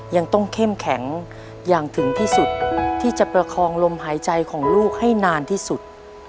ยังต้องเข้มแข็งอย่างถึงที่สุดที่จะประคองลมหายใจของลูกให้นานที่สุด